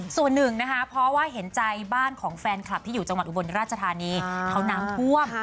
ส่วนหนึ่งนะคะเพราะว่าเห็นใจบ้านของแฟนคลับที่อยู่จังหวัดอุบลราชธานีเขาน้ำท่วม